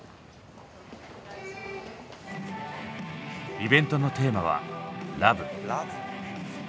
イベントのテーマは「ＬＯＶＥ」。